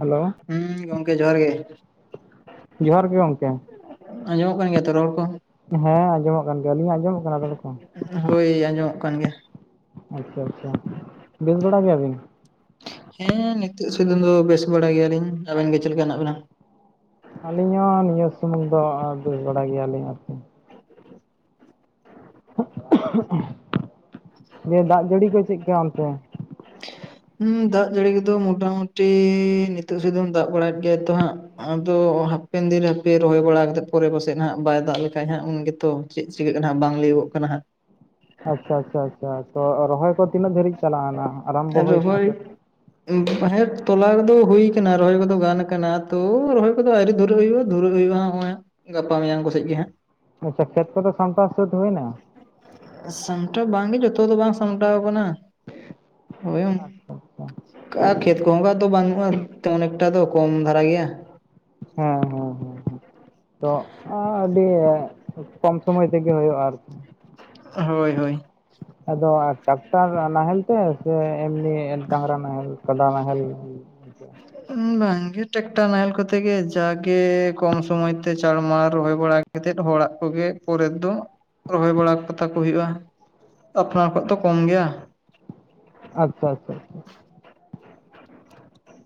Hello ᱦᱩᱸ ᱜᱚᱢᱠᱮ ᱡᱚᱦᱟᱨ ᱜᱮ ᱡᱚᱦᱟᱨ ᱜᱮ ᱜᱚᱢᱠᱮ ᱟᱸᱡᱚᱢᱚᱜ ᱠᱟᱱ ᱜᱮᱭᱟ ᱛᱚ ᱨᱚᱲ ᱠᱚ? ᱦᱮᱸ ᱟᱸᱡᱚᱢᱚᱜ ᱠᱟᱱ ᱜᱮᱭᱟ ᱟᱞᱤᱧᱟ ᱟᱸᱡᱚᱢᱚᱜ ᱠᱟᱱᱟ ᱨᱚᱲ ᱠᱚ ᱦᱳᱭ ᱟᱸᱡᱚᱢᱚᱜ ᱠᱟᱱ ᱜᱮᱭᱟ ᱟᱪᱷᱟ ᱟᱪᱷᱟ ᱵᱮᱥ ᱵᱟᱲᱟ ᱜᱮᱭᱟᱵᱤᱱ ᱦᱮᱸ ᱱᱤᱛᱳᱜ ᱥᱩᱭᱫᱚᱝ ᱫᱚ ᱵᱮᱥ ᱵᱟᱲᱟ ᱜᱮᱭᱟᱞᱤᱧ ᱟᱵᱮᱱ ᱜᱮ ᱪᱮᱫ ᱞᱮᱠᱟ ᱦᱮᱱᱟᱜ ᱵᱮᱱᱟ ᱟᱹᱞᱤᱧ ᱦᱚᱸ ᱱᱤᱭᱟᱹ ᱥᱩᱢᱩᱝ ᱫᱚ ᱵᱮᱥ ᱵᱟᱲᱟ ᱜᱮᱭᱟᱞᱤᱧ ᱟᱨ ᱫᱮ ᱫᱟᱜ ᱡᱟᱹᱲᱤ ᱠᱚ ᱪᱮᱫᱠᱟ ᱚᱱᱛᱮ ᱦᱩᱸ ᱫᱟᱜ ᱡᱟᱹᱲᱤ ᱠᱚᱫᱚ ᱢᱚᱴᱟᱢᱩᱴᱤ ᱱᱤᱛᱳ ᱥᱩᱭᱫᱩᱢ ᱫᱟᱜ ᱵᱟᱲᱟᱭᱮᱫ ᱜᱮᱭᱟ ᱛᱚ ᱦᱟᱸᱜ ᱟᱫᱚ ᱦᱟᱯᱮᱱ ᱫᱤᱱ ᱨᱮ ᱦᱟᱯᱮ ᱨᱚᱦᱚᱭ ᱵᱟᱲᱟ ᱠᱟᱛᱮᱫ ᱯᱚᱨᱮ ᱯᱟᱥᱮᱡ ᱦᱟᱸᱜ ᱵᱟᱭ ᱫᱟᱜ ᱞᱮᱠᱷᱟᱱ ᱦᱟᱸᱜ ᱩᱱ ᱜᱮᱛᱚ ᱪᱮᱫ ᱪᱤᱠᱟᱹᱜ ᱠᱟᱱᱟ ᱦᱟᱸᱜ ᱵᱟᱝ ᱞᱟᱹᱭᱟᱹᱜᱚᱜ ᱠᱟᱱᱟ ᱦᱟᱸᱜ ᱟᱪᱷᱟ ᱟᱪᱷᱟ ᱟᱪᱷᱟ ᱛᱚ ᱨᱚᱦᱚᱭ ᱠᱚ ᱛᱤᱱᱟᱹᱜ ᱫᱷᱟᱹᱨᱤᱡ ᱪᱟᱞᱟᱣ ᱱᱟ? ᱟᱫᱚ ᱦᱳᱭ ᱦᱮᱸ ᱛᱚᱞᱟ ᱠᱚᱫᱚ ᱦᱩᱭᱩ ᱟᱠᱟᱱᱟ ᱨᱚᱦᱚᱭ ᱠᱚᱫᱚ ᱜᱟᱱ ᱠᱟᱱᱟ ᱛᱚ ᱨᱚᱦᱚᱭ ᱠᱚᱫᱚ ᱟᱣᱨᱤ ᱫᱷᱩᱨᱟᱹ ᱦᱩᱭᱩᱜᱼᱟ ᱫᱷᱩᱨᱟᱹ ᱦᱩᱭᱩᱜᱼᱟ ᱱᱚᱜᱼᱚᱭ ᱜᱟᱯᱟ ᱢᱮᱭᱟᱝ ᱠᱚ ᱥᱮᱡ ᱜᱮ ᱦᱟᱸᱜ ᱟᱪᱷᱟ ᱠᱷᱮᱛ ᱠᱚ ᱫᱚ ᱥᱟᱢᱴᱟᱣ ᱥᱟᱹᱫ ᱦᱩᱭᱱᱟ? ᱥᱟᱢᱴᱟᱣ ᱵᱟᱝᱜᱮ ᱡᱚᱛᱚ ᱫᱚ ᱵᱟᱝ ᱥᱟᱢᱴᱟᱣ ᱟᱠᱟᱱᱟ᱾ ᱦᱳᱭ ᱟᱪᱪᱷᱟ ᱟᱪᱪᱷᱟ ᱚᱱᱠᱟ ᱜᱮ ᱪᱮᱫ ᱠᱚᱦᱚᱸ ᱫᱚ ᱵᱟᱹᱱᱩᱜᱼᱟ ᱠᱟᱱᱮᱠᱴᱟ ᱫᱚ ᱠᱚᱢ ᱫᱷᱟᱨᱟ ᱜᱮᱭᱟ ᱦᱮᱸ ᱦᱮᱸ ᱦᱮᱸ ᱦᱮᱸ ᱛᱚ ᱟᱸ ᱟᱹᱰᱤ ᱠᱚᱢ ᱥᱚᱢᱚᱭ ᱛᱮᱜᱮ ᱦᱩᱭᱩᱜᱼᱟ ᱟᱨᱠᱤ ᱦᱳᱭ ᱦᱳᱭ ᱟᱫᱚ ᱴᱨᱟᱠᱴᱟᱨ ᱱᱟᱦᱮᱞ ᱛᱮ ᱥᱮ ᱮᱢᱱᱤ ᱰᱟᱝᱨᱟ ᱱᱟᱦᱮᱞ ᱠᱟᱰᱟ ᱱᱟᱦᱮᱞ? [unintelligible] ᱵᱟᱝᱜᱮ ᱴᱮᱠᱴᱟᱨ ᱱᱟᱦᱮᱞ ᱠᱚᱛᱮ ᱜᱮ ᱡᱟᱜᱮ ᱠᱚᱢ ᱥᱚᱢᱚᱭ ᱛᱮ ᱪᱟᱲᱼᱢᱟᱲ ᱨᱚᱦᱚᱭ ᱵᱟᱲᱟᱜ ᱠᱟᱛᱮ ᱦᱚᱲᱟᱜ ᱠᱚᱜᱮ ᱯᱚᱨᱮ ᱫᱚ ᱨᱚᱦᱚᱭ ᱵᱟᱲᱟ ᱠᱟᱛᱟ ᱠᱚ ᱦᱩᱭᱩᱜᱼᱟ ᱟᱯᱱᱟᱨ ᱠᱚᱣᱟ ᱛᱚ ᱠᱚᱢ ᱜᱮᱭᱟ ᱟᱪᱷᱟ ᱟᱪᱷᱟ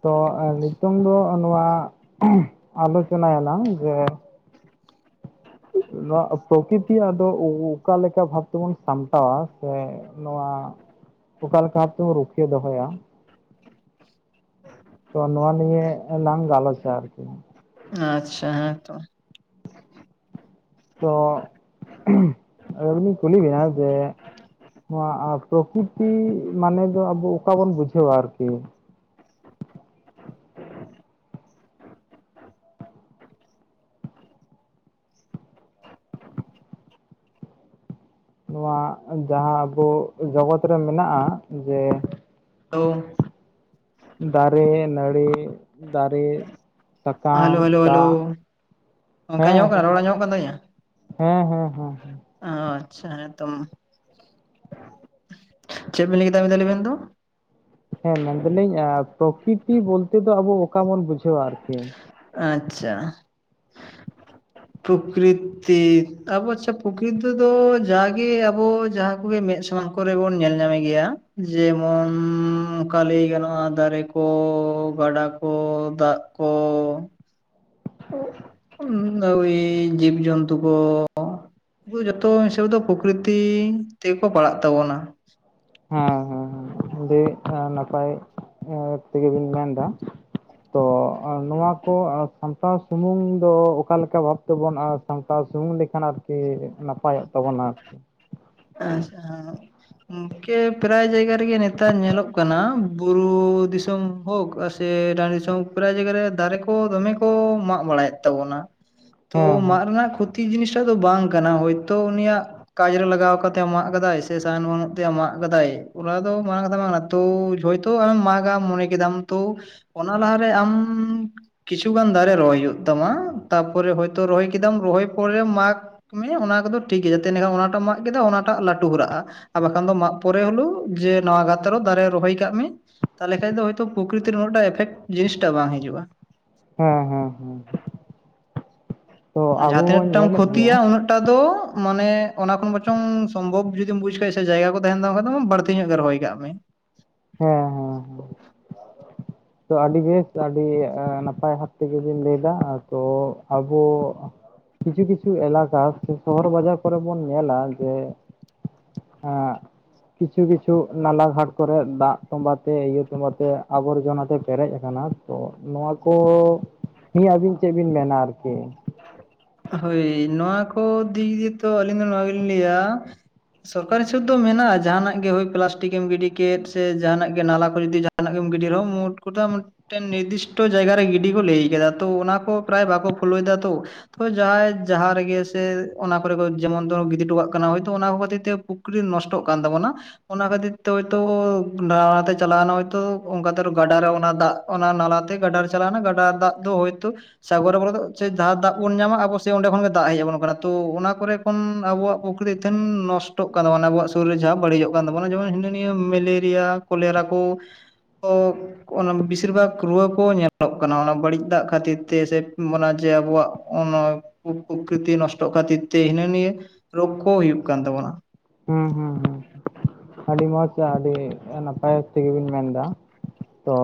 ᱛᱚ ᱱᱤᱛᱚᱝ ᱫᱚ ᱱᱚᱣᱟ ᱟᱞᱳᱪᱚᱱᱟᱭᱟᱞᱟᱝ ᱡᱮ ᱱᱚᱣᱟ ᱯᱨᱚᱠᱤᱛᱤᱭᱟᱜ ᱫᱚ ᱚᱠᱟᱞᱮᱠᱟ ᱵᱷᱟᱵᱽ ᱛᱮᱵᱚᱱ ᱥᱟᱢᱴᱟᱣᱟ ᱥᱮ ᱱᱚᱣᱟ ᱚᱠᱟ ᱞᱮᱠᱟ ᱵᱷᱟᱵ ᱛᱮᱵᱚ ᱨᱩᱠᱷᱤᱭᱟᱹ ᱫᱚᱦᱚᱭᱟ ᱛᱚ ᱱᱚᱣᱟ ᱱᱤᱭᱮ ᱞᱟᱝ ᱜᱟᱞᱚᱪᱟ ᱟᱨᱠᱤ ᱟᱪᱪᱷᱟ ᱦᱮᱸ ᱛᱚ ᱛᱚ [unintelligible] ᱟᱵᱤᱱ ᱤᱧ ᱠᱩᱞᱤ ᱵᱮᱱᱟ ᱡᱮ ᱱᱚᱣᱟ ᱯᱨᱚᱠᱤᱛᱤ ᱢᱟᱱᱮ ᱫᱚ ᱟᱵᱚ ᱚᱠᱟ ᱵᱚᱱ ᱵᱩᱡᱷᱟᱹᱣᱟ ᱟᱨᱠᱤ ᱱᱚᱣᱟ ᱡᱟᱦᱟᱸ ᱟᱵᱚ ᱡᱚᱜᱚᱛ ᱨᱮ ᱢᱮᱱᱟᱜᱼᱟ ᱡᱮ [unintelligible] ᱫᱟᱨᱮ ᱱᱟᱲᱤ ᱫᱟᱨᱮ ᱥᱟᱠᱟᱢ ᱦᱮᱞᱳ ᱦᱮᱞᱳ ᱦᱮᱞᱳ ᱫᱟᱜ ᱜᱚᱝᱠᱮ ᱦᱮᱸ ᱟᱸᱡᱚᱢᱚᱜ ᱠᱟᱱᱟ ᱦᱮᱸ ᱨᱚᱲ ᱟᱸᱡᱚᱢᱚᱜ ᱠᱟᱱ ᱦᱮᱸ ᱦᱮᱸ ᱦᱮᱸ ᱚ ᱟᱪᱪᱷᱟᱸ ᱛᱚ ᱪᱮᱫ ᱵᱤᱱ ᱞᱟᱭ ᱠᱮᱫᱟ ᱟᱨ‌ ᱢᱤᱫᱷᱟᱣ ᱞᱟᱤ ‌‌ᱵᱤᱱ ᱛᱚ ᱦᱮᱸ ᱢᱮᱱ ᱫᱟᱞᱤᱧ ᱯᱨᱚᱠᱤᱛᱤ ᱵᱚᱞᱛᱮ ᱫᱚ ᱟᱵᱚ ᱚᱠᱟ ᱵᱚᱱ ᱵᱩᱡᱷᱟᱹᱣᱟ ᱟᱨᱠᱤ ᱟᱪᱪᱷᱟ [inaudible] ᱯᱨᱚᱠᱨᱤᱛᱤ ᱟᱵᱚ ᱟᱪᱪᱷᱟ ᱯᱨᱚᱠᱨᱤᱛᱤ ᱫᱚ ᱡᱟᱜᱮ ᱟᱵᱚ ᱡᱟᱦᱟᱸ ᱠᱚᱜᱮ ᱢᱮᱫ ᱥᱟᱢᱟᱝ ᱠᱚᱨᱮ ᱵᱚᱱ ᱧᱮᱞ ᱧᱟᱢᱮ ᱜᱮᱭᱟ ᱡᱮᱢᱚᱱ ᱚᱱᱠᱟ ᱞᱟᱹᱭ ᱜᱟᱱᱚᱜᱼᱟ ᱫᱟᱨᱮ ᱠᱚ ᱜᱟᱰᱟ ᱠᱚ ᱫᱟᱜ ᱠᱚ ᱟ ᱡᱤᱵ ᱡᱤᱵᱽᱡᱛᱩ ᱠᱚ [unintelligible] ᱡᱚᱛᱚ ᱦᱤᱥᱟᱹᱵ ᱫᱚ ᱯᱨᱚᱠᱨᱤᱛᱤ ᱛᱮᱜᱮᱠᱚ ᱯᱟᱲᱟᱜ ᱛᱟᱵᱚᱱᱟ ᱦᱮᱸ ᱦᱮᱸ ᱟᱹᱰᱤ ᱱᱟᱯᱟᱭ ᱛᱮᱜᱮᱵᱤᱱ ᱢᱮᱱ ᱮᱫᱟ ᱛᱚ ᱱᱚᱣᱟ ᱠᱚ ᱥᱟᱢᱴᱟᱣ ᱥᱩᱢᱩᱝ ᱫᱚ ᱚᱠᱟᱞᱮᱠᱟ ᱵᱷᱟᱵ ᱛᱟᱵᱚ ᱟᱨ ᱥᱟᱟᱱᱛᱟᱲ ᱥᱩᱢᱩᱝ ᱞᱮᱠᱷᱟᱱ ᱟᱨᱠᱤ ᱱᱟᱯᱟᱭᱚᱜ ᱛᱟᱵᱚᱱᱟ᱾ ᱟᱨᱠᱤ ᱟᱪᱪᱷᱟ ᱜᱚᱝᱠᱮ ᱯᱨᱟᱭ ᱡᱟᱭᱜᱟ ᱨᱮᱜᱮ ᱱᱮᱛᱟᱨ ᱧᱮᱞᱚᱜ ᱠᱟᱱᱟ ᱵᱩᱨᱩ ᱫᱤᱥᱚᱢ ᱦᱳᱠ ᱥᱮ ᱰ ᱫᱤᱥᱚᱢ ᱯᱨᱟᱭ ᱡᱟᱭᱜᱟ ᱨᱮ ᱫᱟᱨᱮ ᱠᱚ ᱫᱚᱢᱮ ᱠᱚ ᱢᱟᱜ ᱵᱟᱲᱟᱭᱮᱫ ᱛᱟᱵᱚᱱᱟ [inaudible] ᱛᱚ ᱦᱮᱸ ᱢᱟᱫ ᱨᱮᱱᱟᱜ ᱠᱷᱚᱛᱤ ᱡᱤᱱᱤᱥᱴᱟᱜ ᱫᱚ ᱵᱟᱝ ᱠᱟᱱᱟ ᱦᱚᱭᱛᱚ ᱩᱱᱤᱭᱟᱜ ᱠᱟᱡ ᱨᱮ ᱞᱟᱜᱟᱣ ᱟᱠᱟᱱᱟ ᱢᱟᱜ ᱠᱟᱫᱟᱭ ᱥᱮ ᱥᱟᱦᱟᱱ ᱵᱟᱹᱱᱩᱜ ᱛᱮ ᱢᱟᱜ ᱠᱟᱫᱟᱭ ᱚᱱᱟ ᱫᱚ ᱢᱟᱝ ᱠᱟᱛᱚ ᱛᱚ ᱟ ᱢᱟᱜᱟ ᱢᱚᱱᱮ ᱠᱮᱫᱟᱢ ᱛᱚ ᱚᱱᱟ ᱞᱟᱦᱟᱨᱮ ᱟᱢ ᱠᱤᱪᱷᱩᱜᱟᱱ ᱫᱟᱨᱮ ᱨᱚᱦᱚᱭ ᱦᱩᱭᱩᱜ ᱛᱟᱢᱟ ᱛᱟᱨᱯᱚᱨᱮ ᱦᱚᱭᱛ ᱨᱚᱦ ᱠᱮᱫᱟᱢ ᱨᱚᱦᱚᱭ ᱯᱚᱨᱮ ᱢᱟᱜᱽ ᱢᱮ ᱚᱱᱟ ᱠᱚᱫᱚ ᱴᱷᱤᱠ ᱜᱮᱭᱟ ᱡᱟᱛᱮ ᱮᱸᱰᱮᱠᱷᱟᱱ ᱚᱱᱟᱴᱟᱜ ᱢᱟ ᱥᱟᱫ ᱠᱮᱫᱟ ᱚᱱᱟᱴᱟᱜ ᱞᱟᱹᱴᱩ ᱦᱚᱨᱟᱜᱼᱟ, ᱟᱨ ᱵᱟᱠᱷᱟᱱ ᱫᱚ ᱢᱟᱜ ᱯᱚᱨᱮ ᱦᱳᱞᱮᱣ ᱡᱮ ᱱᱚᱣᱟ ᱜᱟᱛᱨᱮ ᱦᱚᱸ ᱫᱟᱨᱮ ᱨᱚᱦᱚᱭ ᱠᱟᱜ ᱢᱮ᱾ ᱛᱟᱦᱚᱞᱮ ᱠᱷᱟᱡ ᱫᱚ ᱦᱳᱭᱛᱚ ᱯᱨᱚᱠᱤᱛᱤ ᱩᱱᱟᱹᱜ ᱴᱟᱜ ᱮᱯᱷᱮᱠᱴ ᱡᱤᱱᱤᱥᱴᱟᱜ ᱵᱟᱝ ᱦᱤᱡᱩᱜᱼᱟ᱾ ᱦᱮᱸ ᱦᱮᱸ ᱦᱮᱸ ᱛᱚ ᱟᱵᱚ ᱡᱟᱦᱟᱸ ᱛᱤᱱᱟᱹᱜ ᱵᱚᱱ ᱴᱟᱢ ᱧᱮᱞᱮᱫ ᱜᱮᱭᱟ ᱠᱷᱚᱛᱤᱭᱟ ᱩᱱᱟᱹᱜ ᱴᱟᱜ ᱫᱚ ᱢᱟᱱᱮ ᱚᱱᱟ ᱠᱷᱚᱱ ᱵᱟᱪᱚᱝ ᱥᱚᱢᱵᱷᱚᱵ ᱡᱩᱫᱤᱢ ᱵᱩᱡ ᱠᱷᱟᱡ ᱥᱮ ᱡᱟᱭᱜᱟ ᱠᱚ ᱛᱟᱦᱮᱱ ᱛᱟᱢ ᱠᱷᱟᱡ ᱫᱚ ᱵᱟᱹᱲᱛᱤ ᱧᱚᱜ ᱜᱮ ᱨᱚᱦᱚᱭ ᱠᱟᱜ ᱢᱮ᱾ ᱦᱮᱸ ᱦᱮᱸ ᱦᱮᱸ ᱛᱚ ᱟᱹᱰᱤ ᱵᱮᱥ ᱟᱹᱰᱤ ᱱᱟᱯᱟᱭ ᱵᱷᱟᱵ ᱛᱮᱜᱮᱵᱤᱱ ᱞᱟᱹᱭᱫᱟ, ᱛᱚ ᱟᱵᱚ ᱠᱤᱪᱷᱩ ᱠᱤᱪᱷᱩ ᱮᱞᱟᱠᱟ ᱥᱮ ᱥᱚᱦᱚᱨ ᱵᱟᱡᱟᱨ ᱠᱚᱨᱮ ᱵᱚᱱ ᱧᱮᱞᱟ ᱡᱮ ᱮᱸ ᱠᱤᱪᱷᱩ ᱠᱤᱪᱷᱩ ᱱᱟᱞᱟ ᱜᱷᱟᱴ ᱠᱚᱨᱮ ᱫᱟᱜ ᱛᱚᱸᱵᱟ ᱛᱮ ᱤᱭᱟᱹ ᱛᱚᱸᱵᱟ ᱛᱮ ᱟᱵᱚᱨᱡᱚᱱᱟ ᱛᱮ ᱯᱮᱨᱮᱡ ᱟᱠᱟᱱᱟ ᱛᱚ ᱱᱚᱣᱟ ᱠᱚ ᱱᱤᱭᱟᱹ ᱟᱹᱵᱤᱱ ᱪᱮᱫ ᱵᱤᱱ ᱢᱮᱱᱟ ᱟᱨᱠᱤ ᱦᱳᱭ ᱱᱚᱣᱟ ᱠᱚ ᱫᱤᱠ ᱫᱤᱭᱮ ᱛᱚ ᱟᱹᱞᱤᱧ ᱫᱚ ᱱᱚᱣᱟ ᱜᱮᱞᱤᱧ ᱞᱟᱹᱭᱟ ᱥᱚᱨᱠᱟᱨᱤ ᱥᱩᱫ ᱫᱚ ᱢᱮᱱᱟᱜᱼᱟ ᱡᱟᱦᱟᱱᱟᱜ ᱜᱮ ᱦᱳᱭ ᱯᱞᱟᱥᱴᱤᱠᱮᱢ ᱜᱤᱰᱤ ᱠᱮᱫ ᱥᱮ ᱡᱟᱦᱟᱱᱟᱜ ᱜᱮ ᱱᱟᱞᱟ ᱠᱚᱨᱮ ᱡᱩᱫᱤ ᱡᱟᱦᱱᱟᱜ ᱜᱮᱢ ᱜᱤᱰᱤ ᱨᱮᱦᱚᱸ ᱢᱩᱴ ᱠᱚᱴᱟ ᱢᱤᱫᱴᱮᱱ ᱱᱤᱨᱫᱤᱥᱴᱚ ᱡᱟᱭᱜᱟ ᱨᱮ ᱜᱤᱰᱤ ᱠᱚ ᱞᱟᱹᱭ ᱟᱠᱟᱫᱟ ᱛᱚ ᱚᱱᱟ ᱠᱚ ᱯᱨᱟᱭ ᱵᱟᱠᱚ ᱯᱷᱩᱞᱳᱮᱫᱟ ᱛᱚ ᱛ ᱡᱟᱦᱟᱸᱭ ᱡᱟᱦᱟᱸ ᱨᱮᱜᱮ ᱥᱮ ᱚᱱᱟ ᱠᱚᱨᱮ ᱡᱮᱢᱚᱱ ᱜᱤᱰᱤ ᱦᱚᱴᱚ ᱠᱟᱜ ᱠᱟᱱᱟ ᱦᱚᱭᱛ ᱚᱱᱟ ᱠᱷᱟᱹᱛᱤᱨ ᱛᱮ ᱥᱠᱨᱤ ᱱᱚᱥᱴᱚᱜ ᱠᱟᱱ ᱛᱟᱵᱚᱱᱟ ᱚᱱᱟ ᱠᱷᱟᱹᱛᱤᱨ ᱛᱮ ᱦᱚᱳᱭᱛᱚ ᱰᱚᱦᱮᱞᱛᱮ ᱪᱟᱞᱟᱣᱱᱟ ᱦᱚᱳᱭᱛᱚ ᱚᱱᱠᱟᱛᱮ ᱜᱟᱰᱟᱟᱨᱮ ᱚᱱᱟ ᱫᱟᱜ ᱚᱱᱟ ᱱᱟᱞᱟᱛᱮ ᱜᱟᱰᱟᱨ ᱪᱟᱞᱟᱣᱱᱟ, ᱜᱟᱰᱟ ᱫᱟᱜ ᱫᱚ ᱦᱳᱭᱛᱳ ᱥᱟᱜᱚᱨ [inaudible] ᱡᱟᱦᱟᱸ ᱫᱟᱜ ᱵᱚᱱ ᱧᱟᱢᱟ ᱟᱵᱚ ᱥᱮ ᱚᱸᱰᱮ ᱠᱷᱚᱱ ᱜᱮ ᱫᱟᱜ ᱦᱮᱡ ᱟᱵᱚᱱ ᱠᱟᱱᱟ ᱛᱚ ᱚᱱᱟ ᱠᱚᱨᱮ ᱠᱷᱚᱱ ᱟᱵᱚᱣᱟᱜ ᱯᱩᱠᱷᱨᱤ ᱛᱷᱮᱱ ᱱᱚᱥ [unintelligible] ᱟᱵᱚᱣᱟᱜ ᱥᱚᱨᱤᱨ ᱡᱟᱦᱟᱸ ᱵᱟᱹᱲᱤᱡᱚᱜ ᱠᱟᱱ ᱛᱟᱵᱚᱱᱟ ᱡᱮᱢᱚᱱ ᱦᱤᱱᱟᱹ ᱱᱤᱭᱟᱹ ᱢᱮᱞᱮᱨᱤᱭᱟ ᱠᱚᱞᱮᱨᱟ ᱠᱩ [unintelligible] ᱚᱱᱟ ᱵᱮᱥᱤᱨ ᱵᱷᱟᱜᱽ ᱨᱩᱣᱟᱹ ᱠᱚ ᱧᱮᱞᱚᱜ ᱠᱟᱱᱟ ᱚᱱᱟ ᱵᱟᱹᱲᱤᱡ ᱫᱟᱜ ᱠᱷᱟᱹᱛᱤᱨ ᱛᱮ ᱥᱮ ᱚᱱᱟ ᱡᱮ ᱟᱵᱚᱣᱟᱜ ᱚᱱᱟ ᱯᱩᱠᱨᱤᱛᱤ ᱱᱚᱥᱴᱚᱜ ᱠᱷᱟᱹᱛᱤᱨ ᱛᱮ ᱦᱤᱱᱟᱹ ᱱᱤᱭᱟᱹ ᱨᱳᱜᱽ ᱠᱚ ᱦᱩᱭᱩᱜ ᱠᱟᱱ ᱛᱟᱵᱚᱱᱟ ᱦᱮᱸ ᱦᱮᱸ ᱦᱮᱸ ᱟᱹᱰᱤ ᱢᱚᱸᱡᱽ ᱟᱹᱰᱤ ᱱᱟᱯᱟᱭ ᱛᱮᱜᱮ ᱵᱤᱱ ᱢᱮᱱᱫᱟ ᱛᱚ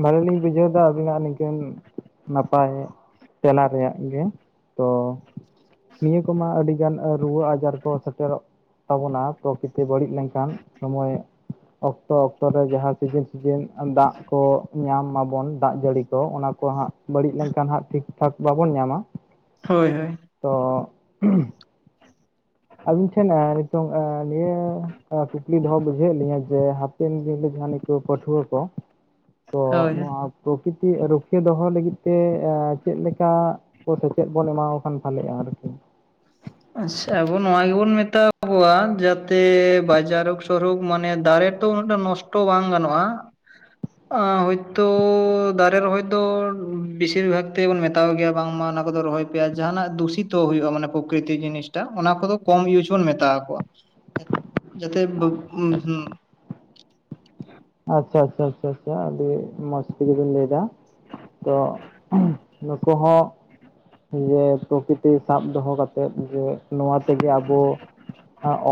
ᱵᱷᱟᱹᱞᱤ ᱞᱤᱧ ᱵᱩᱡᱷᱟᱹᱣᱫᱟ ᱟᱹᱵᱤᱱᱟᱜ ᱱᱤᱝᱠᱟᱹᱱ ᱱᱟᱯᱟᱭ ᱛᱮᱞᱟ ᱨᱮᱭᱟᱜ ᱜᱮ ᱛᱚ ᱱᱤᱭᱟᱹ ᱠᱚᱢᱟ ᱟᱹᱰᱤ ᱜᱟᱱ ᱨᱩᱣᱟᱹ ᱟᱡᱟᱨ ᱠᱚ ᱥᱮᱴᱮᱨᱚᱜ ᱛᱟᱵᱚᱱᱟ ᱯᱨᱚᱠᱤᱛᱤ ᱵᱟᱹᱲᱤᱡ ᱞᱮᱱᱠᱷᱟᱱ ᱥᱚᱢᱚᱭ ᱚᱠᱛᱚ ᱚᱠᱛᱚ ᱨᱮ ᱡᱟᱦᱟᱸ ᱥᱤᱡᱤᱱ ᱥᱤᱡᱤᱱ ᱫᱟᱜ ᱠᱚ ᱧᱟᱢ ᱢᱟᱵᱚᱱ ᱫᱟᱜ ᱡᱟᱹᱲᱤ ᱠᱚ ᱚᱱᱟ ᱠᱚ ᱦᱟᱸᱜ ᱵᱟᱹᱲᱤᱡ ᱞᱮᱱᱠᱷᱟᱱ ᱦᱟᱸᱜ ᱴᱷᱤᱠ ᱴᱷᱟᱠ ᱵᱟᱵᱚᱱ ᱧᱟᱢᱟ ᱦᱳᱭ ᱦᱳᱭ ᱚ [inaudible] ᱟᱵᱤᱱ ᱴᱷᱮᱱ ᱱᱤᱛᱚᱝ ᱱᱤᱭᱟᱹ ᱠᱩᱠᱞᱤ ᱫᱚᱦᱚ ᱵᱩᱡᱷᱟᱹᱣᱮᱫ ᱞᱤᱧᱟᱹ ᱡᱮ [unintelligible] ᱯᱟᱹᱴᱷᱣᱟᱹ ᱠᱚ ᱛᱚ ᱦᱳᱭ ᱱᱚᱣᱟ ᱯᱨᱚᱠᱤᱛᱤ ᱨᱩᱠᱷᱤᱭᱟᱹ ᱫᱚᱦᱚ ᱞᱟᱹᱜᱤᱫ ᱛᱮ ᱮᱸ ᱪᱮᱫ ᱞᱮᱠᱟ ᱥᱮᱪᱮᱫ ᱵᱚᱱ ᱮᱢᱣᱟ ᱠᱷᱟᱱ ᱵᱷᱟᱞᱮᱜᱼᱟ ᱟᱨᱠᱤ ᱟᱪᱪᱷᱟ ᱟᱵᱚ ᱱᱚᱣᱟ ᱜᱮᱵᱚᱱ ᱢᱮᱛᱟ ᱠᱚᱣᱟ ᱡᱟᱛᱮ ᱵᱟᱡᱟᱨ ᱚᱠ ᱥᱚᱨᱚᱠ ᱢᱟᱱᱮ ᱫᱟᱨᱮ ᱛᱚ ᱩᱱᱟᱹᱜ ᱴᱟ ᱱᱚᱥᱴᱚ ᱵᱟᱝ ᱜᱟᱱᱚᱜᱼᱟ ᱟ ᱦᱳᱭᱛᱚ ᱫᱟᱨᱮ ᱨᱚᱦᱚᱭ ᱫᱚ ᱵᱮᱥᱤᱨ ᱵᱷᱟᱜᱽ ᱛᱮᱵᱚᱱ ᱢᱮᱛ ᱛᱟᱳ ᱜᱮᱭᱟ ᱵᱟᱝᱢᱟ ᱚᱱᱟ ᱠᱚᱫᱚ ᱨᱚᱦᱚᱭ ᱯᱮᱭᱟ ᱟᱨ ᱡᱟᱦᱟᱱᱟᱜ ᱫᱩᱥᱤᱛᱚ ᱦᱩᱭᱩᱜᱼᱟ ᱢᱟᱱᱮ ᱯᱚ [inaudible] ᱠᱤᱛᱤ ᱡᱤᱱᱤᱥᱴᱟᱜ ᱚᱱᱟ ᱠᱚᱫᱚ ᱠᱚᱢ ᱤᱭᱩᱡ ᱵᱚᱱ ᱢᱮᱛᱟ ᱟᱠᱚᱣᱟ ᱡᱟᱛᱮ [unintelligible] ᱟᱪᱪᱷᱟ ᱟᱪᱪᱷᱟ ᱟᱹᱰᱤ ᱢᱚᱡ ᱛᱮᱜᱮᱵᱤᱱ ᱞᱟᱹᱭ ᱫᱟ ᱛᱚ ᱱᱩᱠᱩ ᱦᱚᱸ ᱡᱮ ᱯᱨᱚᱠᱤᱛᱤ ᱥᱟᱵ ᱫᱚᱦᱚ ᱠᱟᱛᱮᱫ ᱡᱮ ᱱᱚᱣᱟ ᱛᱮᱜᱮ ᱟᱵᱚ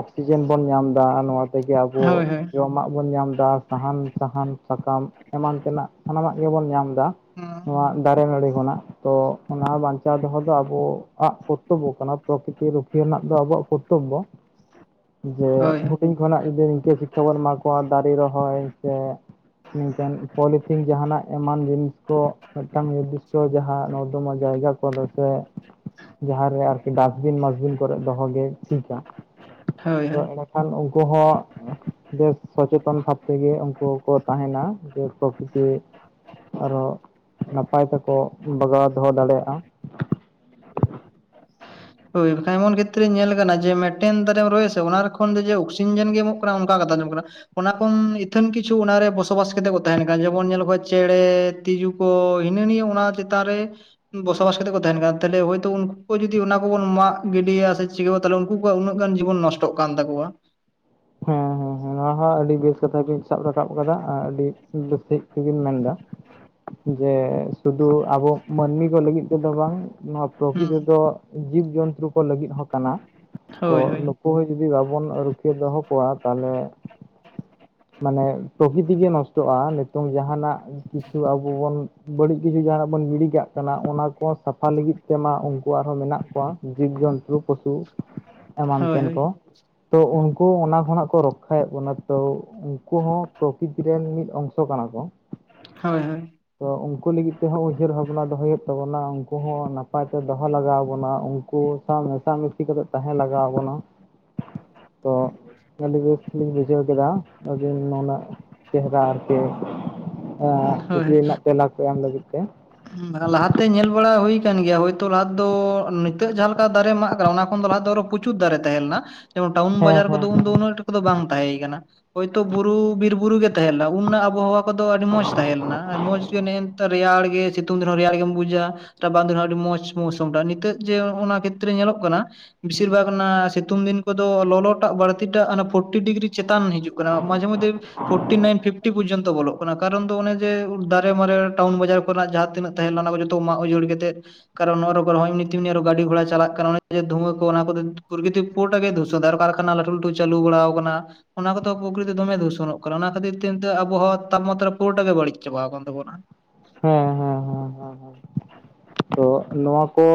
ᱚᱠᱥᱤᱡᱮᱱ ᱵᱚᱱ ᱧᱟᱢ ᱫᱟ ᱱᱚᱣᱟ ᱛᱮᱜᱮ ᱟᱵᱚ ᱦᱳᱭ ᱦᱳᱭ ᱡᱚᱢᱟᱜ ᱵᱚᱱ ᱧᱟᱢ ᱫᱟ ᱥᱟᱦᱟᱱ ᱥᱟᱦᱟᱱ ᱥᱟᱠᱟᱢ ᱮᱢᱟᱱ ᱛᱮᱱᱟᱜ ᱥᱟᱱᱟᱢᱟᱜ ᱜᱮᱵᱚᱱ ᱧᱟᱢ ᱫᱟ᱾ ᱦᱩᱸ ᱦᱳᱭ ᱱᱚᱣᱟ ᱫᱟᱨᱮ ᱱᱟᱹᱲᱤ ᱠᱷᱚᱱᱟᱜ ᱛᱚ ᱚᱱᱟ ᱵᱟᱧᱪᱟᱣ ᱪᱟᱣ ᱫᱚᱦᱚ ᱫᱚ ᱟᱵᱚᱣᱟᱜ ᱠᱚᱨᱛᱚᱵᱽᱵᱚ ᱠᱟᱱᱟ ᱯᱨᱚᱠᱤᱛᱤ ᱨᱩᱠᱷᱤᱭᱟᱹ ᱨᱮᱱᱟᱜ ᱫᱚ ᱟᱵᱚᱣᱟᱜ ᱠᱚᱨᱛᱚᱵᱵᱚ ᱡᱮ ᱦᱳᱭ ᱦᱩᱰᱤᱧ ᱠᱷᱚᱱᱟᱜ ᱡᱩᱫᱤ ᱱᱤᱝᱠᱟᱹ ᱥᱤᱠᱠᱷᱟ ᱵᱚᱱ ᱮᱢᱟ ᱠᱚᱣᱟ ᱫᱟᱨᱮ ᱨᱚᱦᱚᱭ ᱥᱮ ᱱᱤᱝᱠᱟᱱ ᱯᱚᱞᱤᱛᱷᱤᱱ ᱡᱟᱦᱟᱸᱱᱟᱜ ᱮᱢᱟᱱ ᱡᱤᱱᱤᱥ ᱠᱚ ᱢᱤᱫᱴᱟᱝ ᱡᱩᱫᱤ ᱛᱚ ᱡᱟᱦᱟᱸ ᱱᱚᱨᱫᱚᱢᱟ ᱡᱟᱭᱜᱟ ᱥᱮ ᱡᱟᱦᱟᱸᱨᱮ ᱟᱨᱠᱤ ᱰᱟᱥᱵᱤᱱ ᱢᱟᱥᱵᱤᱱ ᱠᱚᱨᱮ ᱫᱚᱦᱚ ᱜᱮ ᱴᱷᱤᱠᱟ ᱦᱳᱭ ᱳᱭ ᱵᱟᱠᱷᱟᱱ ᱩᱱᱠᱩ ᱦᱚᱸ ᱵᱮᱥ ᱥᱚᱪᱮᱛᱚᱱ ᱵᱷᱟᱵ ᱛᱮᱜᱮ ᱩᱱᱠᱩ ᱦᱚᱸ ᱠᱚ ᱛᱟᱦᱮᱱᱟ ᱡᱮ ᱯᱨᱚᱠᱤᱛᱤ ᱟᱨᱚ ᱱᱟᱯᱟᱭ ᱛᱮᱠᱚ ᱵᱟᱜᱟᱣ ᱫᱚᱦᱚ ᱫᱟᱲᱮᱭᱟᱜᱼᱟ ᱦᱳᱭ ᱠᱷᱟᱱ ᱮᱢᱚᱱ ᱠᱷᱮᱛᱨᱮ ᱧᱮᱞ ᱠᱟᱱᱟ, ᱡᱮ ᱢᱮᱫᱴᱮᱱ ᱫᱟᱨᱮᱢ ᱨᱚᱦᱚᱭᱟ ᱥᱮ ᱚᱱᱟ ᱠᱷᱚᱱ ᱫᱚ ᱡᱮ ᱚᱠᱥᱤᱡᱮᱱ ᱜᱮ ᱧᱟᱢᱚᱜ ᱠᱟᱱᱟ᱾ ᱚᱱᱠᱟ ᱠᱟᱛᱷᱟ ᱟᱸᱡᱚᱢᱚᱜ ᱠᱟᱱᱟ ᱚᱱᱟ ᱠᱷᱚᱱ ᱤᱛᱷᱟᱹᱱ ᱠᱤᱪᱷᱩ ᱚᱱᱟᱨᱮ ᱵᱚᱥᱚᱵᱟᱥ ᱠᱟᱛᱮ ᱠᱚ ᱛᱟᱦᱮᱱ ᱠᱟᱱᱟ ᱡᱮᱢᱚᱱ ᱧᱮᱞ ᱠᱟᱱ ᱪᱮᱬᱮ ᱛᱤᱡᱩ ᱠᱚ ᱦᱤᱱᱟᱹ ᱱᱤᱭᱟᱹ ᱚᱱᱟ ᱪᱮᱛᱟᱱ ᱨᱮ ᱵᱚᱥᱚᱵᱟᱥ ᱠᱟᱛᱮ ᱠᱚ ᱛᱟᱦᱮᱱ ᱠᱟᱱᱟ᱾ ᱛᱟᱦᱚᱞᱮ ᱦᱚᱭᱛᱳ ᱩᱱᱠᱩ ᱠᱚ ᱡᱩᱫᱤ ᱚᱱᱟ ᱵᱚᱱ ᱢᱟᱜ ᱜᱤᱰᱤᱭᱟ ᱥᱮ ᱪᱤᱠᱟᱹ ᱛᱟᱦᱞᱮ ᱩᱱᱠᱩ ᱠᱚᱣᱟᱜ ᱩᱱᱟᱹᱜ ᱜᱟᱱ ᱡᱤᱵᱚᱱ ᱱᱚᱥᱴᱚᱜ ᱠᱟᱱ ᱛᱟᱠᱚᱣᱟ ᱦᱮᱸ ᱦᱮᱸ ᱦᱮᱸ ᱱᱚᱣᱟ ᱦᱚᱸ ᱟᱹᱰᱤ ᱵᱮᱥ ᱠᱟᱛᱷᱟ ᱠᱤᱱ ᱥᱟᱵ ᱨᱟᱠᱟᱵ ᱠᱟᱫᱟ᱾ᱟᱨ ᱟᱹᱰᱤ ᱵᱮᱥ ᱥᱟᱹᱦᱤᱡ ᱜᱮᱢ ᱢᱮᱱ ᱫᱟ᱾ ᱡᱮ ᱥᱩᱫᱩ ᱟᱵᱚ ᱢᱟᱹᱱᱢᱤ ᱠᱚ ᱞᱟᱹᱜᱤᱫ ᱛᱮᱫᱚ ᱵᱟᱝ ᱱᱚᱣᱟ ᱦᱩᱸ ᱯᱨᱚᱠᱤᱛᱤ ᱫᱚ ᱡᱤᱵᱽ ᱡᱚᱱᱛᱩ ᱠᱚ ᱞᱟᱹᱜᱤᱫ ᱦᱚᱸ ᱠᱟᱱᱟ᱾ ᱦᱳᱭ ᱠᱚ ᱦᱳᱭ ᱟᱠᱚ ᱦᱚᱸ ᱡᱩᱫᱤ ᱵᱟᱵᱚᱱ ᱨᱩᱠᱷᱭᱟᱹ ᱫᱚᱦᱚ ᱠᱚᱣᱟ ᱛᱟᱦᱞᱮ, ᱢᱟᱱᱮ ᱯᱨᱚᱠᱤᱛᱤ ᱜᱮ ᱱᱚᱥᱴᱚᱜᱼᱟ ᱱᱤᱛᱚᱝ ᱡᱟᱸᱦᱟᱱᱟᱜ ᱠᱤᱪᱷᱩ ᱟᱵᱚ ᱵᱚᱱ ᱵᱟᱹᱲᱤᱡ ᱠᱤᱪᱷᱩ ᱡᱟᱦᱟᱸᱱᱟᱜ ᱵᱚᱱ ᱜᱤᱰᱤ ᱠᱟᱜ ᱠᱟᱱᱟ, ᱚᱱᱟ ᱠᱚ ᱥᱟᱯᱷᱟ ᱞᱟᱹᱜᱤᱫ ᱛᱮᱢᱟ ᱩᱱᱠᱩ ᱟᱨᱦᱚᱸ ᱢᱮᱱᱟᱜ ᱠᱚᱣᱟ᱾ ᱡᱤᱵ ᱡᱚᱱᱛᱩ ᱯᱚᱥᱩ ᱮᱢᱟᱱ ᱦᱳᱭ ᱛᱮᱱ ᱠᱚ ᱦᱳᱭ ᱛᱚ ᱩᱱᱠᱩ ᱚᱱᱟ ᱡᱟᱸᱦᱟᱱᱟᱜ ᱠᱚ ᱨᱚᱠᱠᱷᱟᱭᱮᱫ ᱵᱚᱱᱟ ᱛᱚ ᱩᱱᱠᱩ ᱦᱚᱸ ᱯᱨᱚᱠᱤᱛᱤ ᱨᱮᱱ ᱢᱤᱫ ᱚᱝᱥᱚ ᱠᱟᱱᱟ ᱠᱚ᱾ ᱦᱳᱭ ᱦᱳᱭ᱾ ᱛᱚ ᱩᱱᱠᱩ ᱞᱟᱹᱜᱤᱫ ᱛᱮᱦᱚᱸ ᱩᱭᱦᱟᱹᱨ ᱵᱷᱟᱵᱽᱱᱟ ᱫᱚᱦᱚᱭ ᱦᱩᱭᱩᱜ ᱛᱟᱵᱚᱱᱟ, ᱩᱱᱠᱩ ᱦᱚᱸ ᱱᱟᱯᱟᱭ ᱛᱮ ᱫᱚᱦᱚ ᱞᱟᱜᱟᱣ ᱵᱚᱱᱟ, ᱩᱱᱠᱩ ᱥᱟᱶ ᱢᱮᱥᱟ ᱢᱮᱥᱤ ᱠᱟᱛᱮ ᱛᱟᱦᱮᱸ ᱞᱟᱜᱟᱣ ᱟᱵᱚᱱᱟ, ᱛᱚ ᱟᱹᱰᱤ ᱨᱟᱹᱥ ᱞᱤᱧ ᱵᱩᱡᱷᱟᱹᱣ ᱠᱮᱫᱟ ᱟᱹᱵᱤᱱ ᱱᱩᱱᱟᱹᱜ ᱪᱮᱦᱨᱟ ᱟᱨᱠᱤ᱾ ᱮᱸ ᱦᱳᱭ ᱠᱩᱠᱞᱤ ᱨᱮᱱᱟᱜ ᱛᱮᱞᱟ ᱠᱚ ᱮᱢ ᱞᱟᱹᱜᱤᱫ ᱛᱮ᱾ ᱞᱟᱦᱟᱛᱮ ᱧᱮᱞ ᱵᱟᱲᱟ ᱦᱩᱭ ᱟᱠᱟᱱ ᱜᱮᱭᱟ ᱦᱩᱭ ᱛᱚ ᱞᱟᱦᱟ ᱫᱚ ᱱᱤᱛᱚᱜ ᱡᱟᱦᱟ ᱞᱮᱠᱟ ᱫᱟᱨᱮ ᱢᱟᱜ ᱟᱠᱟᱱᱟ ᱚᱱᱟ ᱠᱷᱚᱱ ᱫᱚ ᱞᱟᱦᱟ ᱫᱚ ᱟᱨᱚ ᱯᱩᱪᱩᱨ ᱫᱟᱨᱮ ᱛᱟᱦᱮᱸ ᱞᱮᱱᱟ, ᱡᱮᱢᱚᱱ ᱴᱟᱣᱩᱱ ᱦᱮᱸ ᱵᱟᱡᱟᱨ ᱦᱮᱸ ᱠᱚᱫᱚ ᱩᱱᱫᱚ ᱩᱱᱟᱹᱜ ᱫᱚ ᱵᱟᱝ ᱛᱟᱦᱮᱸ ᱠᱟᱱᱟ ᱦᱳᱭ ᱛᱳ ᱵᱩᱨᱩ ᱵᱤᱨ ᱵᱩᱨᱩ ᱜᱮ ᱛᱟᱦᱮᱸ ᱞᱮᱱᱟ, ᱩᱱᱟᱹᱜ ᱟᱵᱚᱦᱟᱣᱟ ᱠᱚᱫᱚ ᱟᱹᱰᱤ ᱢᱚᱸᱡᱽ ᱛᱟᱦᱮᱸ ᱞᱮᱱᱟ, ᱢᱚᱸᱡᱽ ᱜᱮ ᱱᱮᱜᱼ ᱱᱮᱛᱟᱨ ᱨᱮᱭᱟᱲ ᱜᱮ ᱥᱤᱛᱩᱝ ᱫᱤᱱ ᱦᱚ ᱨᱮᱭᱟᱲ ᱜᱮᱢ ᱵᱩᱡᱟ ᱨᱟᱵᱟᱝ ᱫᱤᱱ ᱦᱚᱸ ᱟᱹᱰᱤ ᱢᱚᱸᱡᱽ ᱢᱳᱣᱥᱚᱢ ᱴᱟᱜ ᱱᱤᱛᱚᱜ ᱡᱮ ᱚᱱᱟ ᱠᱷᱮᱛᱨᱮ ᱧᱮᱞᱚᱜ ᱠᱟᱱᱟ, ᱵᱮᱥᱤᱨ ᱵᱷᱟᱜ ᱚᱱᱟ ᱥᱤᱛᱩᱝ ᱫᱤᱱ ᱠᱚᱫᱚ ᱞᱚᱞᱚᱴᱟᱜ ᱵᱟᱹᱲᱛᱤᱴᱟᱜ ᱯᱷᱳᱨᱴᱤ ᱰᱤᱜᱽᱨᱤ ᱪᱮᱛᱟᱱ ᱦᱤᱡᱩᱜ ᱠᱟᱱᱟ, ᱢᱟᱡᱷᱮ ᱢᱳᱫᱷᱮ ᱯᱷᱳᱨᱴᱤ ᱱᱟᱭᱤᱱ ᱯᱷᱤᱯᱴᱤ ᱯᱚᱨᱡᱚᱱᱛᱚ ᱵᱚᱞᱚᱜ ᱠᱟᱱᱟ ᱠᱟᱨᱚᱱ ᱫᱚ ᱚᱱᱮ ᱡᱮ ᱫᱟᱨᱮ ᱢᱟᱨᱮ ᱴᱟᱣᱩᱱ ᱵᱟᱡᱟᱨ ᱠᱚᱨᱮᱱᱟᱜ ᱡᱟᱦᱟᱸ ᱛᱤᱱᱟᱹᱜ ᱛᱟᱦᱮᱸ ᱞᱮᱱᱟ ᱚᱱᱟ ᱠᱚ ᱡᱚᱛᱚ ᱢᱟᱜ ᱩᱡᱟᱹᱲ ᱠᱟᱛᱮ ᱠᱟᱨᱚᱱ ᱱᱚᱣᱟ ᱨᱳᱵᱵᱟᱨ ᱦᱚᱭ ᱱᱤᱛᱤᱢ ᱟᱨ ᱜᱟᱹᱰᱤ ᱜᱷᱚᱲᱟ ᱪᱟᱞᱟᱜ ᱠᱟᱱᱟ ᱚᱱᱮ ᱡᱮ ᱫᱷᱩᱣᱟᱹ ᱠᱚ ᱚᱱᱟ ᱠᱚᱫᱚ ᱯᱩᱨᱜᱤᱛᱤᱠ ᱯᱩᱨᱴᱟ ᱜᱮ ᱫᱷᱩᱥᱚᱫᱟ ᱟᱨ ᱠᱟᱨᱠᱷᱟᱱᱟ ᱞᱟᱹᱴᱩ ᱞᱟᱹᱴᱩ ᱪᱟᱞᱩ ᱵᱟᱲᱟᱣ ᱟᱠᱟᱱᱟ, ᱚᱱᱟ ᱠᱚᱫᱚ ᱯᱚᱠᱨᱤᱛᱤ ᱫᱚᱢᱮ ᱫᱷᱩᱥᱚᱱᱚᱜ ᱠᱟᱱᱟ, ᱚᱱᱟ ᱠᱷᱟᱹᱛᱤᱨ ᱛᱮ ᱮᱱᱛᱮ ᱟᱵᱚᱦᱚᱸ ᱛᱟᱯᱢᱟᱛᱨᱟ ᱯᱩᱨᱟᱹᱴᱟ ᱜᱮ ᱵᱟᱹᱲᱤᱡ ᱪᱟᱵᱟ ᱟᱠᱟᱱ ᱛᱟᱵᱚᱱᱟ᱾ ᱦᱮᱸ᱾ ᱦᱮᱸ ᱦᱮᱸ ᱦᱮᱸ ᱦᱮᱸ ᱦᱮᱸ [unintelligible] ᱛᱚ ᱱᱚᱣᱟ ᱠᱚ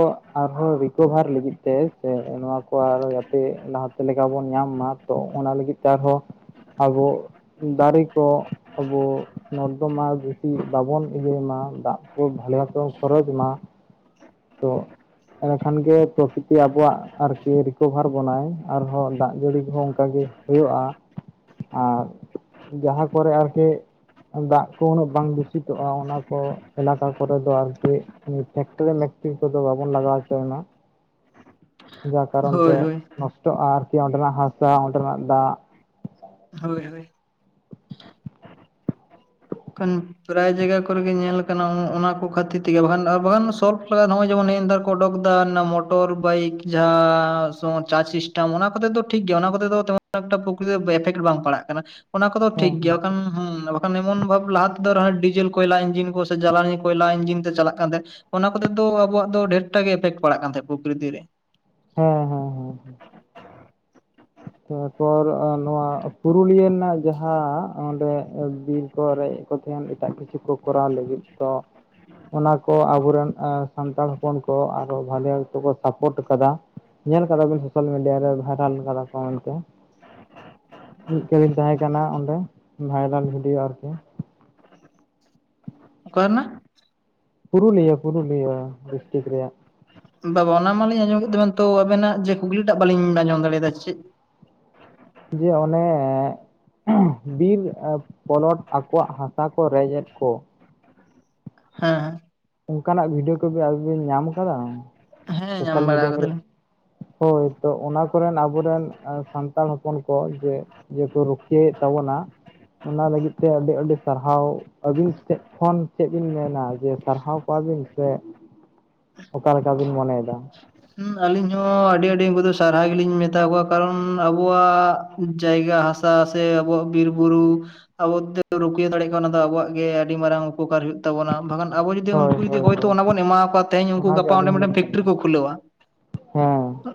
ᱟᱨᱦᱚᱸ ᱨᱤᱠᱳᱵᱷᱟᱨ ᱞᱟᱹᱜᱤᱫ ᱛᱮ ᱥᱮ ᱱᱚᱣᱟ ᱠᱚ ᱟᱨᱚ ᱡᱟᱛᱮ ᱞᱟᱦᱟᱛᱮ ᱞᱮᱠᱟ ᱵᱚᱱ ᱧᱟᱢ ᱢᱟ᱾ ᱛᱚ ᱚᱱᱟ ᱞᱟᱹᱜᱤᱫ ᱛᱮ ᱟᱨᱦᱚᱸ ᱟᱵᱚ ᱫᱟᱨᱮ ᱠᱚ ᱟᱵᱚ ᱱᱚᱨᱫᱚᱢᱟ ᱵᱮᱥᱤ ᱵᱟᱵᱚᱱ ᱤᱭᱟᱹᱭ ᱢᱟ᱾ ᱫᱟᱜ ᱠᱚ ᱵᱷᱟᱞᱮ ᱵᱷᱟᱵ ᱛᱮᱵᱚᱱ ᱠᱷᱚᱨᱚᱪ ᱢᱟ, ᱛᱚ ᱮᱸᱰᱮᱠᱷᱟᱱᱜᱮ ᱯᱨᱚᱠᱤᱛᱤ ᱟᱵᱚᱣᱟᱜ ᱟᱨᱠᱤ ᱨᱤᱠᱳᱵᱷᱟᱨ ᱵᱚᱱᱟᱭ ᱟᱨᱦᱚᱸ ᱫᱟᱜ ᱡᱟᱹᱲᱤ ᱠᱚᱦᱚᱸ ᱚᱱᱠᱟ ᱜᱮ ᱦᱩᱭᱩᱜᱼᱟ ᱟᱨ ᱡᱟᱦᱟᱸ ᱠᱚᱨᱮ ᱟᱨᱠᱤ ᱫᱟᱜ ᱠᱚ ᱩᱱᱟᱹᱜ ᱵᱟᱝ ᱫᱩᱥᱤᱛᱚᱜᱼᱟ ᱚᱱᱟ ᱠᱚ ᱮᱞᱟᱠᱟ ᱠᱚᱨᱮ ᱫᱚ ᱟᱨᱠᱤ᱾ ᱚᱱᱮ ᱯᱷᱮᱠᱴᱨᱤ ᱢᱮᱠᱴᱨᱤ ᱠᱚᱫᱚ ᱵᱟᱵᱚᱱ ᱞᱟᱜᱟᱣ ᱦᱚᱪᱚᱭ ᱢᱟ᱾ ᱡᱟ ᱠᱟᱨᱚᱱ ᱦᱳᱭ ᱛᱮ ᱦᱳᱭ ᱱᱚᱥᱴᱚᱜᱼᱟ, ᱟᱨᱠᱤ ᱚᱸᱰᱮᱱᱟᱜ ᱦᱟᱥᱟ, ᱚᱸᱰᱮᱱᱟᱜ ᱫᱟᱜ, ᱦᱳᱭ ᱦᱳᱭ᱾ ᱠᱟᱱ ᱯᱨᱟᱭ ᱡᱟᱭᱜᱟ ᱠᱚᱨᱮᱜᱮ ᱧᱮᱞ ᱟᱠᱟᱱᱟ ᱚᱱᱟ ᱠᱚ ᱠᱷᱟᱹᱛᱤᱨ ᱛᱮᱜᱮ ᱵᱟᱠᱷᱟᱱ ᱵᱟᱝᱠᱷᱟᱱ ᱥᱚᱞᱵᱷ [unintelligible] ᱱᱚᱜᱼᱚᱭ ᱡᱮᱢᱚᱱ ᱮᱢᱫᱟ ᱚᱰᱚᱠ ᱫᱟ ᱱᱟ ᱢᱚᱴᱚᱨ ᱵᱟᱭᱤᱠ ᱡᱟᱦᱟᱸ ᱪᱟᱸᱪ ᱥᱤᱥᱴᱮᱢ ᱚᱱᱟ ᱠᱚᱛᱮ ᱫᱚ ᱴᱷᱤᱠ ᱜᱮᱭᱟ, ᱚᱱᱟ ᱠᱚᱛᱮ ᱫᱚ ᱛᱟ ᱠᱷᱩᱵ ᱮᱠᱴᱟ ᱠᱩᱠᱞᱤ ᱮᱯᱷᱮᱠᱴ ᱵᱟᱝ ᱯᱟᱲᱟᱜ ᱠᱟᱱᱟ ᱚᱱᱟ ᱠᱚᱫᱚ ᱦᱮᱸ ᱴᱷᱤᱠ ᱦᱮᱸ ᱜᱮᱭᱟ, ᱵᱟᱠᱷᱟᱱ ᱦᱩᱸ ᱵᱟᱠᱷᱟᱱ ᱮᱢᱚᱱ ᱵᱷᱟᱵ ᱞᱟᱦᱟ ᱛᱮᱫᱚ ᱨᱮᱦᱚ ᱰᱤᱡᱮᱞ ᱠᱚᱭᱞᱟ ᱤᱱᱡᱤᱱ ᱠᱚ ᱥᱮ ᱡᱟᱞᱟᱱᱤ ᱠᱚᱭᱞᱟ ᱤᱱᱡᱤᱱ ᱛᱮ ᱪᱟᱞᱟᱜ ᱠᱟᱱ ᱛᱟᱦᱮᱸᱫ᱾ ᱚᱱᱟ ᱠᱚᱛᱮ ᱫᱚ ᱟᱵᱚᱣᱟᱜ ᱫᱚ ᱰᱷᱮᱨᱴᱟ ᱜᱮ ᱮᱯᱷᱮᱠᱴ ᱯᱟᱲᱟᱜ ᱠᱟᱱ ᱛᱟᱦᱮᱸᱱᱟ ᱯᱨᱚᱠᱨᱤᱛᱤ ᱨᱮ ᱦᱮᱸ ᱦᱮᱸ ᱛᱟᱨ ᱯᱚᱨ ᱱᱚᱣᱟ ᱯᱩᱨᱩᱞᱤᱭᱟᱹ ᱨᱮᱱᱟᱜ ᱡᱟᱦᱟᱸ ᱚᱸᱰᱮ ᱵᱤᱨ ᱠᱚ ᱨᱮᱡᱽ ᱠᱚ ᱛᱟᱦᱮᱱ ᱮᱴᱟᱜ ᱠᱤᱪᱷᱩ ᱠᱚ ᱠᱚᱨᱟᱣ ᱞᱟᱹᱜᱤᱫ ᱛᱚ ᱚᱱᱟ ᱠᱚ ᱟᱵᱚᱨᱮᱱ ᱟᱸ ᱥᱟᱱᱛᱟᱲ ᱦᱚᱯᱚᱱ ᱠᱚ ᱟᱨᱚ ᱵᱷᱟᱞᱮ ᱚᱠᱛᱚ ᱠᱚ ᱥᱟᱯᱚᱴ ᱠᱟᱫᱟ᱾ ᱧᱮᱞ ᱟᱠᱟᱫᱟᱵᱮᱱ ᱥᱳᱥᱟᱞ ᱢᱤᱰᱤᱭᱟ ᱨᱮ ᱵᱷᱟᱭᱨᱟᱞ ᱠᱟᱫᱟ ᱠᱚ ᱢᱮᱱᱛᱮ ᱢᱤᱫ ᱠᱟᱹᱞᱤᱱ ᱛᱟᱦᱮᱸ ᱠᱟᱱᱟ ᱚᱸᱰᱮ ᱵᱷᱟᱭᱨᱟᱞ ᱵᱷᱤᱰᱭᱳ ᱟᱨᱠᱤ ᱚᱠᱟ ᱨᱮᱱᱟᱜ? ᱯᱩᱨᱩᱞᱤᱭᱟᱹ ᱯᱩᱨᱩᱞᱤᱭᱟᱹ ᱰᱤᱥᱴᱤᱠ ᱨᱮᱭᱟᱜ ᱵᱟᱼᱵᱟ ᱚᱱᱟ ᱢᱟᱞᱤᱧ ᱟᱸᱡᱚᱢ ᱠᱮᱫ ᱛᱟᱵᱮᱱ ᱛᱚ ᱟᱵᱮᱱᱟᱜ ᱡᱮ ᱠᱩᱠᱞᱤ ᱴᱟᱜ ᱵᱟᱞᱤᱧ ᱟᱸᱡᱚᱢ ᱫᱟᱲᱮᱭᱟᱫᱟ ᱪᱮᱫ ᱡᱮ ᱚᱱᱮ ᱵᱤᱨ ᱯᱚᱞᱚᱴ ᱟᱠᱚᱣᱟᱜ ᱦᱟᱥᱟ ᱠᱚ ᱨᱮᱡᱮᱫ ᱠᱚ ᱦᱮᱸ ᱦᱮᱸ ᱚᱱᱠᱟᱱᱟᱜ ᱵᱷᱤᱰᱭᱳ ᱠᱚᱜ ᱟᱵ ᱵᱤᱱ ᱧᱟᱢ ᱠᱟᱫᱟ ᱦᱮᱸ ᱧᱟᱢ ᱥᱳᱥᱟᱞ ᱵᱟᱲᱟ ᱢᱤᱰᱤᱭᱟ ᱠᱚᱨᱮ? ᱠᱟᱫᱟᱞᱤᱧ ᱦᱳᱭ ᱛᱚ ᱚᱱᱟ ᱠᱚᱨᱮᱱ ᱟᱵᱚᱨᱮᱱ ᱥᱟᱱᱛᱟᱲ ᱦᱚᱯᱚᱱ ᱠᱚ ᱡᱮ ᱡᱮᱠᱚ ᱨᱩᱠᱷᱤᱭᱟᱹᱮᱫ ᱛᱟᱵᱚᱱᱟ ᱚᱱᱟ ᱞᱟᱹᱜᱤᱫ ᱛᱮ ᱟᱹᱰᱤ ᱟᱹᱰᱤ ᱥᱟᱨᱦᱟᱣ ᱟᱹᱵᱤᱱ ᱥᱮᱫ ᱠᱷᱚᱱ ᱪᱮᱫ ᱵᱤᱱ ᱢᱮᱱᱟ ᱡᱮ ᱥᱟᱨᱦᱟᱣ ᱠᱚᱣᱟᱵᱤᱱ ᱥᱮ ᱚᱠᱟᱮ ᱞᱮᱠᱟ ᱵᱤᱱ ᱢᱚᱱᱮᱭᱮᱫᱟ ᱦᱸ ᱟᱞᱤᱧ ᱦᱚᱸ ᱟᱹᱰᱤ ᱟᱹᱰᱤ ᱩᱱᱠᱩ ᱫᱚ ᱥᱟᱨᱦᱟᱣ ᱜᱮᱞᱤᱧ ᱢᱮᱛᱟ ᱠᱚᱣᱟ ᱠᱟᱨᱚᱱ ᱟᱵᱚᱣᱟᱜ ᱡᱟᱭᱜᱟ ᱦᱟᱥᱟ ᱥᱮ ᱟᱵᱚᱣᱟᱜ ᱵᱤᱨ ᱵᱩᱨᱩ ᱟᱵᱚᱮ ᱨᱩᱠᱷᱟᱹ ᱫᱟᱲᱮᱭᱟᱜ ᱠᱟᱱᱟ ᱚᱱᱟ ᱫᱚ ᱟᱵᱚᱣᱟᱜ ᱜᱮ ᱟᱹᱰᱤ ᱢᱟᱨᱟᱝ ᱩᱯᱚᱠᱟᱨ ᱦᱳᱭᱳᱜ ᱛᱵᱚᱱᱟ ᱵᱟᱝᱠᱷᱟᱱ ᱟᱵᱚ ᱡᱩᱫᱤ ᱦᱳᱭ ᱩᱱᱠᱩ ᱡᱩᱫᱤ ᱦᱳᱭ ᱦᱚᱭᱛᱚ ᱦᱳᱭ ᱚᱱᱟ ᱵᱚᱱ ᱮᱢᱟ ᱠᱚᱣᱟ ᱛᱮᱦᱧ ᱩᱱᱠᱩ ᱜᱟᱯᱟ ᱚᱸᱰᱮᱴᱮᱱ ᱯᱷᱮᱠᱴᱨᱤ ᱠᱚ ᱠᱷᱩᱞᱟᱹᱣᱟ ᱦ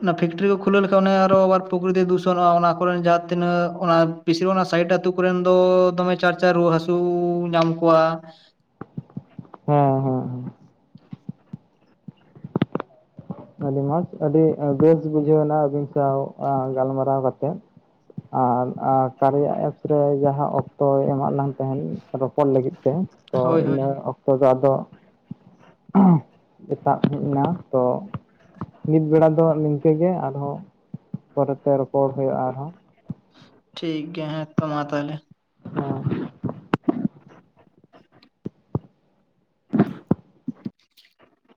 ᱚᱱᱟ ᱯᱷᱮᱠᱴᱨᱤ ᱠᱚ ᱠᱷᱩᱞᱟᱹᱣ ᱞᱮᱠᱷᱟᱱ ᱟᱨᱚ ᱟᱵᱟᱨ ᱯᱨᱚᱠᱨᱤᱤᱛ ᱫᱩᱥᱚᱱᱚᱜᱼᱟ ᱚᱱᱟ ᱠᱚᱨᱮ ᱡᱟᱦᱟᱸ ᱛᱤᱱᱟᱹᱜ ᱚᱱᱟ ᱯᱪᱤᱨ ᱚᱱᱟ ᱥᱟᱭᱤᱰ ᱟᱹᱛᱩᱳ ᱠᱚᱨᱮᱱ ᱫᱚ ᱫᱚᱢᱮ ᱪᱟᱨ ᱪᱟᱨ ᱨᱩᱣᱟᱹ ᱦᱟᱹᱥᱩ ᱧᱟᱢ ᱠᱚᱣᱟ ᱦᱩᱸ ᱦᱩᱸ ᱟᱹᱰᱤ ᱢᱚᱸᱡᱽ ᱟᱹᱰᱤ ᱵᱮᱥ ᱵᱩᱡᱷᱟᱹᱣᱱᱟ ᱟᱹᱵᱤᱱ ᱥᱟᱶ ᱜᱟᱞᱢᱟᱨᱟᱣ ᱠᱟᱛᱮᱫ ᱟᱨ ᱠᱟᱨᱮᱭᱟᱜ ᱮᱯᱥ ᱨᱮ ᱡᱟᱦᱟᱸ ᱚᱠᱛᱚᱭ ᱮᱢᱟᱜ ᱞᱟᱝᱜ ᱛᱟᱦᱮᱸᱱ ᱨᱚᱯᱚᱲ ᱞᱟᱹᱜᱤᱫ ᱛᱮ ᱛᱮ ᱛᱚ ᱦᱳᱭ ᱦᱳᱭ ᱤᱱᱟᱹ ᱚᱛᱚ ᱛᱮ ᱟᱫᱚ ᱮᱛᱟᱜ ᱦᱮᱡ ᱮᱱᱟ ᱛᱚ ᱱᱤᱛ ᱵᱮᱲᱟ ᱫᱚ ᱱᱤᱝᱠᱟᱹ ᱜᱮ ᱟᱨᱦᱚᱸ ᱯᱚᱨᱮ ᱛᱮ ᱨᱚᱯᱚᱲ ᱦᱩᱭᱩᱜᱼᱟ ᱟᱨᱦᱚᱸ ᱴᱷᱤᱠ ᱜᱮᱭᱟ ᱦᱮᱸ ᱛᱚ ᱢᱟ ᱛᱟᱦᱚᱞᱮ ᱦ [inaudible] [inaudible]